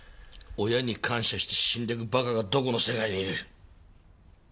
親に感謝して死んでくバカがどこの世界にいる？